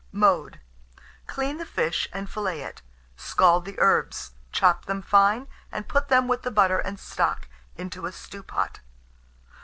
Mode. Clean the fish, and fillet it; scald the herbs, chop them fine, and put them with the butter and stock into a stewpan.